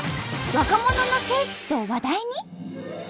若者の聖地と話題に？